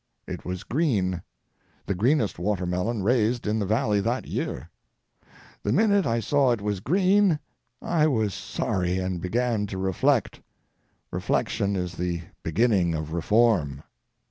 It was green—the greenest watermelon raised in the valley that year. The minute I saw it was green I was sorry, and began to reflect—reflection is the beginning of reform.